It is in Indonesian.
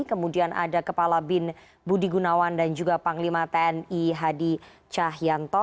kemudian ada kepala bin budi gunawan dan juga panglima tni hadi cahyanto